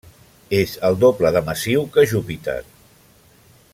És el doble de massiu que Júpiter.